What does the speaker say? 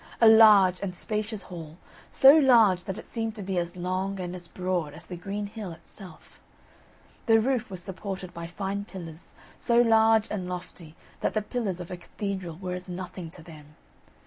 A large and spacious hall, so large that it seemed to be as long, and as broad, as the green hill itself. The roof was supported by fine pillars, so large and lofty, that the pillars of a cathedral were as nothing to them.